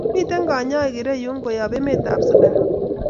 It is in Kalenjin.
Miten Kanyaik iroyu koyab emet ab sudan